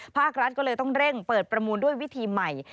ภาครัฐก็เลยต้องเร่งเปิดประมูลด้วยวิธีใหม่